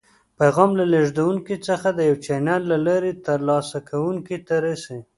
پیغام له لیږدونکي څخه د یو چینل له لارې تر لاسه کوونکي ته رسي.